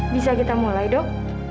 bisa kita mulai dok